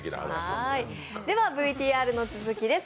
ＶＴＲの続きです。